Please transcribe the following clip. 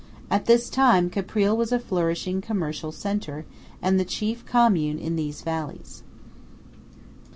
At this time Caprile was a flourishing commercial centre, and the chief commune in these valleys.